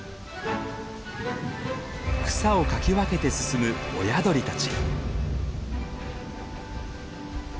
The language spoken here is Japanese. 草をかき分けて進む親鳥たち。